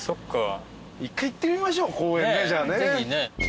１回行ってみましょう公園ねじゃあね。